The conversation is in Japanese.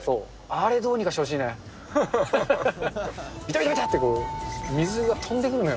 あれどうにかしてほしいね。